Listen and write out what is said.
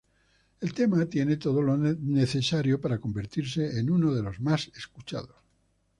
El tema tiene todo lo necesario para convertirse en uno de lo más escuchados.